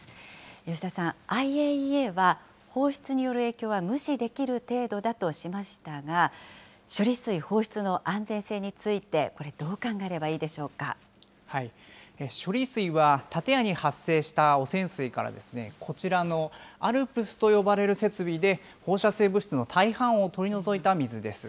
吉田さん、ＩＡＥＡは、放出による影響は無視できる程度だとしましたが、処理水放出の安全性について、これ、どう考えればいいで処理水は、建屋に発生した汚染水から、こちらのＡＬＰＳと呼ばれる設備で、放射性物質の大半を取り除いた水です。